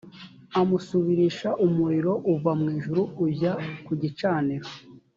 amusubirisha umuriro uva mu ijuru ujya ku gicaniro